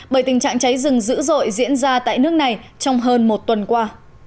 bởi tình trạng cháy rừng dữ dội diễn ra tại nước này trong hơn một tuần qua